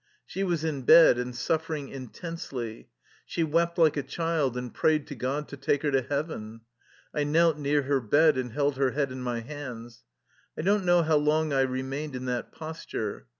She was in bed and suffering intensely. She wept like a child and prayed to God to take her to Heaven. I knelt near her bed and held her head in my hands. I don't know how long I remained in that posture.